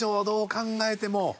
どう考えても。